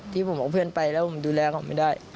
ที่ผมเอาเพื่อนไปแล้วผมดูแลเขาไม่ได้